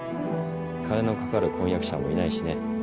金のかかる婚約者もいないしね。